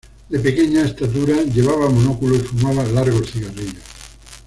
De pequeña estatura, llevaba monóculo y fumaba largos cigarrillos.